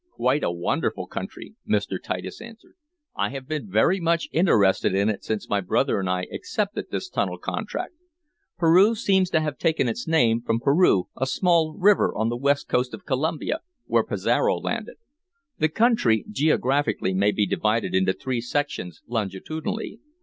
"Quite a wonderful country," Mr. Titus answered. "I have been very much interested in it since my brother and I accepted this tunnel contract. Peru seems to have taken its name from Peru, a small river on the west coast of Colombia, where Pizarro landed. The country, geographically, may be divided into three sections longitudinally.